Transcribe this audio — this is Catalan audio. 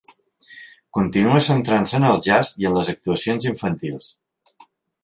Continua centrant-se en el jazz i en les actuacions infantils.